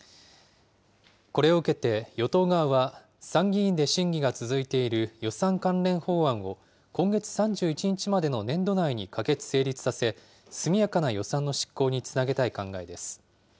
これを受けて与党側は、参議院で審議が続いている予算関連法案を、今月３１日までの年度内に可決・成立させ、速やかな予算の執行につなげたい考えです。